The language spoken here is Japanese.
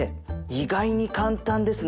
意外に簡単ですね。